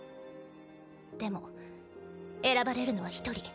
でも選ばれるのは１人。